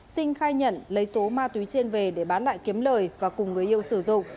sinh khai nhận lấy số ma túy trên về để bán lại kiếm lời và cùng người yêu sử dụng